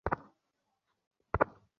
ছিলেন মাসুম বা সম্পূর্ণ নিষ্পাপ।